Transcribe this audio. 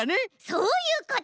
そういうこと！